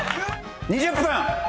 ２０分！